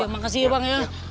makasih ya bang